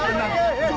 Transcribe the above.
udah tenang dulu